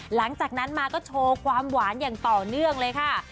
หลังจากนั้นมาก็โชว์ความหวานอย่างต่อเนื่องเลยค่ะ